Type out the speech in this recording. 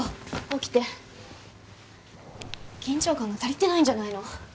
起きて緊張感が足りてないんじゃないの？